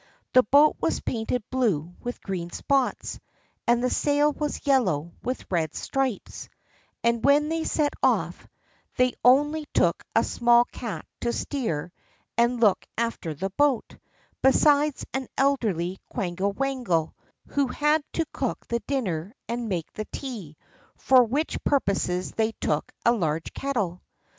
The boat was painted blue with green spots, and the sail was yellow with red stripes; and, when they set off, they only took a small cat to steer and look after the boat, besides an elderly quangle wangle, who had to cook the dinner and make the tea; for which purposes they took a large kettle.